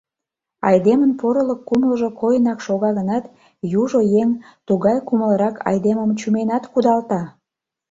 Айдемын порылык кумылжо койынак шога гынат, южо еҥ тугай кумылрак айдемым чуменат кудалта.